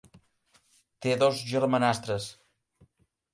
Té dos germanastres.